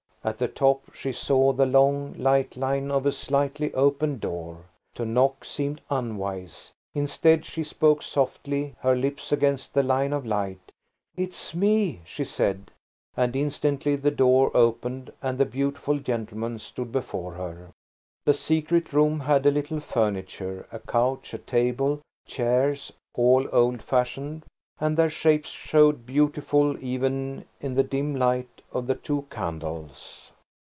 At the top she saw the long, light line of a slightly opened door. To knock seemed unwise. Instead she spoke softly, her lips against the line of light. "It's me," she said, and instantly the door opened, and the beautiful gentleman stood before her. The secret room had a little furniture–a couch, a table, chairs–all old fashioned, and their shapes showed beautiful, even in the dim light of the two candles.